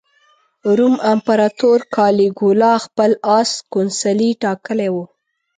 روم امپراطور کالیګولا خپل اس کونسلي ټاکلی و.